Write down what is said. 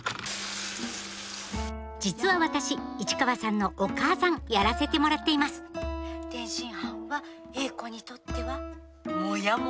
実は私市川さんのお母さんやらせてもらっています「天津飯は詠子にとってはモヤモヤ飯」。